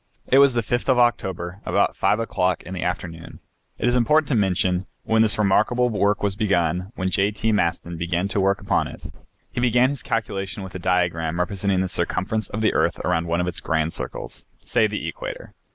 It was the 5th of October, about 5 o'clock in the afternoon, it is important to mention, when this remarkable work was begun, when J. T. Maston began to work upon it. He began his calculation with a diagram representing the circumference of the earth around one of its grand circles, say the equator.